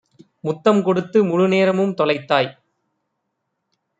முத்தம் கொடுத்து முழுநேர மும்தொலைத்தாய்.